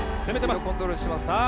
攻めてます！